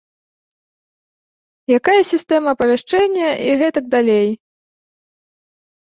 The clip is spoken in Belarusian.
Якая сістэма апавяшчэння, і гэтак далей.